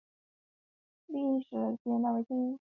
归驷桥的历史年代为清。